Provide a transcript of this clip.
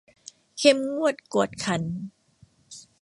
เข้มงวดกวดขัน